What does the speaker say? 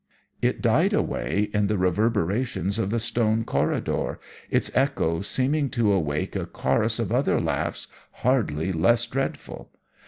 It died away in the reverberations of the stone corridor, its echoes seeming to awake a chorus of other laughs hardly less dreadful.